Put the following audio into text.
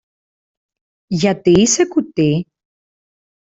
Γιατί είσαι κουτή;